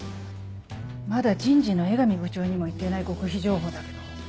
まだ人事の江上部長にも言ってない極秘情報だけど。